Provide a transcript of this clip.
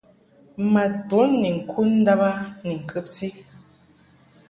Mad bun ni ŋkud ndàb a ni ŋkɨbti.